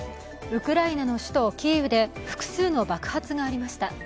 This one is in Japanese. ウクライナの首都キーウで複数の爆発がありました。